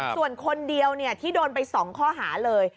ส่วนคนเดียวที่โดนไป๒ข้อหาเลย